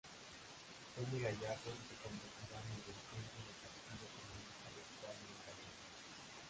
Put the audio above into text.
Tony Gallardo se convertirá en el dirigente del Partido Comunista de España en Canarias.